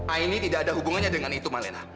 aini tidak ada hubungannya dengan itu malena